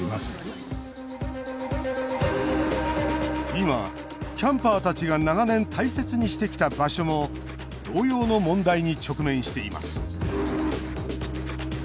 今、キャンパーたちが長年、大切にしてきた場所も同様の問題に直面しています。